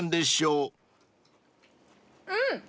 うん！